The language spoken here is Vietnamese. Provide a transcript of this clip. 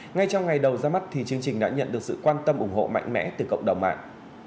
ngay trong ngày đầu ra mắt thì chương trình đã nhận được sự quan tâm ủng hộ mạnh mẽ từ cộng đồng mạng